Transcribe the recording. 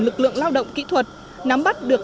lực lượng lao động kỹ thuật nắm bắt được